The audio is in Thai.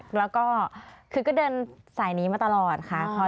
แล้วก็คือก็เดินสายนี้มาตลอดค่ะ